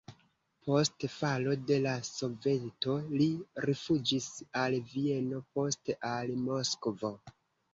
Post falo de la Soveto li rifuĝis al Vieno, poste al Moskvo.